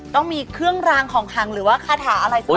ต้องมีเครื่องรางของขังหรือว่าคาถาอะไรสัก